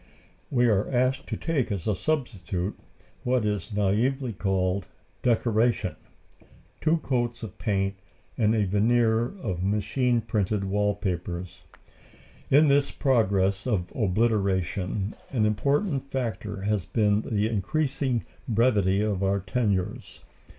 We are asked to take as a substitute, what is naïvely called "decoration," two coats of paint, and a veneer of machine printed wall papers. In this progress of obliteration an important factor has been the increasing brevity of our tenures.